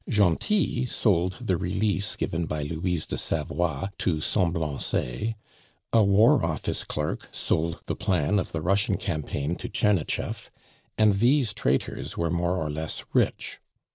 Gentil sold the release given by Louise de Savoie to Semblancay; a War Office clerk sold the plan of the Russian campaign to Czernitchef; and these traitors were more or less rich.